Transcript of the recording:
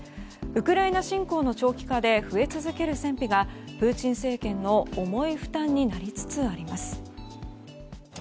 ウクライナ侵攻の長期化で増え続ける戦費がプーチン政権の重い負担になりつつあります。